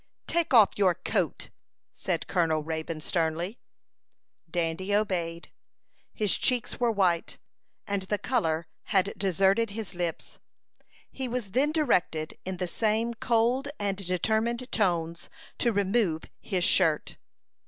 "Take off your coat!" said Colonel Raybone, sternly. Dandy obeyed. His cheeks were white, and the color had deserted his lips. He was then directed, in the same cold and determined tones, to remove his shirt.